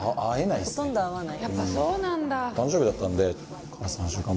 ほとんど会わない。